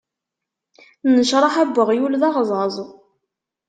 Nnecṛaḥa n uɣyul, d aɣẓaẓ.